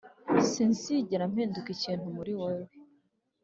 sinzigera mpindura ikintu muri wewe,